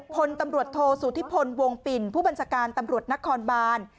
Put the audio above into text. พลตำรวจโทษสุธิพลวงปิ่นผู้บัญชาการตำรวจนครบาน